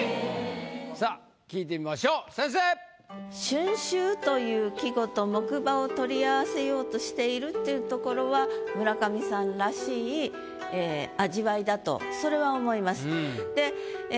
「春愁」という季語と木馬を取り合わせようとしているっていうところは村上さんらしい味わいだとそれは思います。